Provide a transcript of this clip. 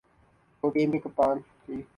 تو ٹیم کے کپتان کی۔